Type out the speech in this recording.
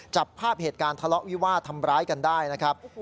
จับภาพเหตุการณ์ทะเลาะวิวาดทำร้ายกันได้นะครับ